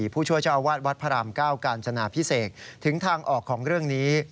หรือผู้โชชาวาสวัดพระราม๙การจนาพิเศษถึงทางออกของเรื่องนี้